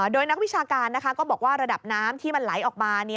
โดยนักวิชาการก็บอกว่าระดับน้ำที่มันไหลออกมา